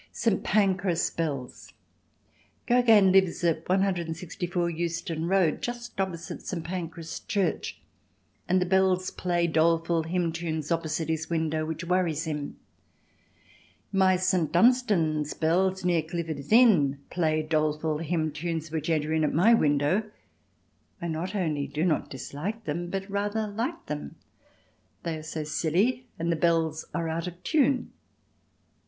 St. Pancras' Bells Gogin lives at 164 Euston Road, just opposite St. Pancras Church, and the bells play doleful hymn tunes opposite his window which worries him. My St. Dunstan's bells near Clifford's Inn play doleful hymn tunes which enter in at my window; I not only do not dislike them, but rather like them; they are so silly and the bells are out of tune.